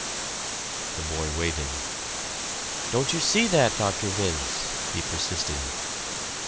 The boy waited. "Don't you see that, Dr. Vince?" he persisted.